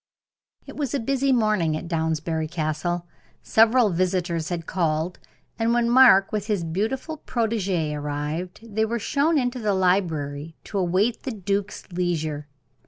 It was a busy morning at Downsbury Castle. Several visitors had called, and when Mark, with his beautiful protegee, arrived, they were shown into the library to await the duke's leisure.